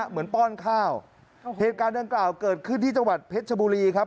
ป้อนข้าวเหตุการณ์ดังกล่าวเกิดขึ้นที่จังหวัดเพชรชบุรีครับ